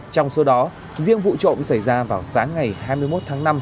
trong số đó riêng vụ trộm xảy ra vào sáng ngày hai mươi một tháng năm